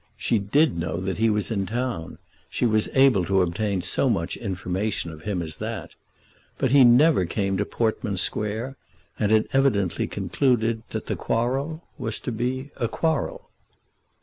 She did know that he was in town. She was able to obtain so much information of him as that. But he never came to Portman Square, and had evidently concluded that the quarrel was to be a quarrel.